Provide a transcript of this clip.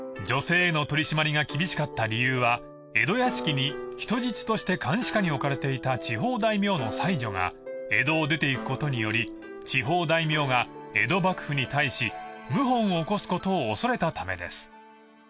［女性への取り締まりが厳しかった理由は江戸屋敷に人質として監視下に置かれていた地方大名の妻女が江戸を出ていくことにより地方大名が江戸幕府に対し謀反を起こすことを恐れたためです］